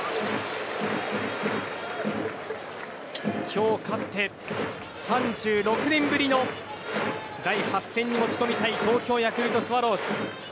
今日勝って３６年ぶりの第８戦に持ち込みたい東京ヤクルトスワローズ。